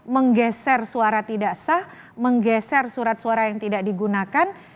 menggeser suara tidak sah menggeser surat suara yang tidak digunakan